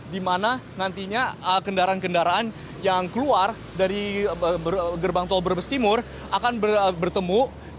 di mana nantinya kendaraan kendaraan yang keluar dari gerbang tol brebes timur akan bertemu